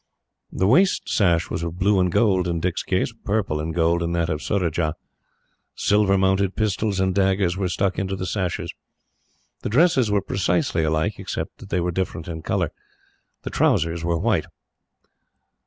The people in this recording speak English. The waist sash was of blue and gold in Dick's case, purple and gold in that of Surajah. Silver mounted pistols and daggers were stuck into the sashes. The dresses were precisely alike, except that they differed in colour. The trousers were white.